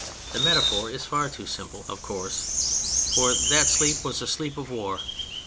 The metaphor is far too simple, of course, for that sleep was a sleep of war.